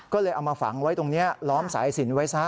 ก็เลยเอามาฝังไว้ตรงนี้ล้อมสายสินไว้ซะ